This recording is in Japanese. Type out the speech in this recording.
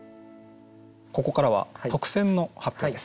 ここからは特選の発表です。